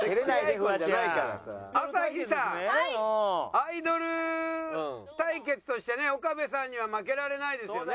アイドル対決としてね岡部さんには負けられないですよね。